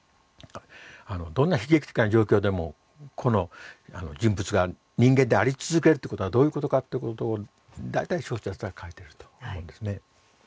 どんな悲劇的な状況でもこの人物が人間であり続けるってことはどういうことかっていうことを大体小説では書いてると思うんですね。